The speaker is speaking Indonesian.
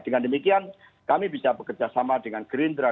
dengan demikian kami bisa bekerjasama dengan gerindra